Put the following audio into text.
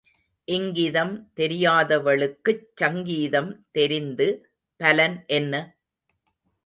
இங்கிதம் தெரியாதவளுக்குச் சங்கீதம் தெரிந்து பலன் என்ன?